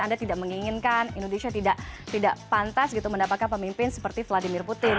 anda tidak menginginkan indonesia tidak pantas gitu mendapatkan pemimpin seperti vladimir putin